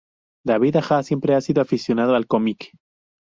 David Aja siempre ha sido aficionado al cómic.